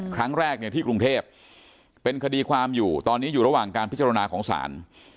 ครั้งแรกเนี่ยที่กรุงเทพเป็นคดีความอยู่ตอนนี้อยู่ระหว่างการพิจารณาของศาล